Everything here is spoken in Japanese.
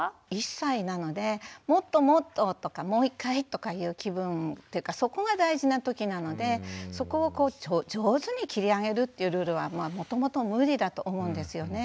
１歳なのでもっともっととかもう一回とかいう気分っていうかそこが大事な時なのでそこを上手に切り上げるっていうルールはもともと無理だと思うんですよね。